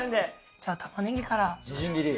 じゃあ玉ねぎから。